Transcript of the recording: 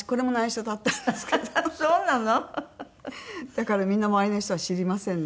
だからみんな周りの人は知りませんね。